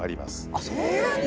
あっそんなに！？